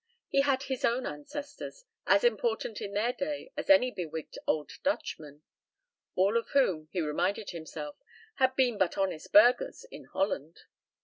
He had his own ancestors, as important in their day as any bewigged old Dutchmen all of whom, he reminded himself, had been but honest burghers in Holland.